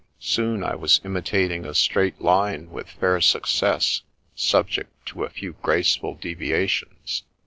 Soon, I was imitating a straight line with fair success, subject to a few graceful deviations.